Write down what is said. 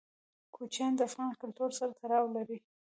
کوچیان د افغان کلتور سره تړاو لري.